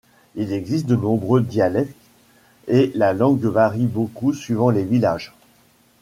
Il existe de nombreux dialectes et la langue varie beaucoup suivant les villages.